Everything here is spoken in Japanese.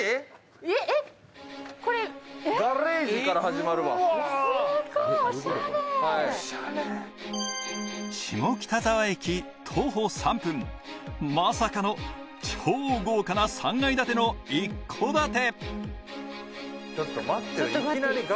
えっこれ下北沢駅徒歩３分まさかの超豪華な３階建ての一戸建て